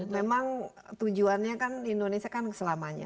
memang tujuannya kan indonesia kan selamanya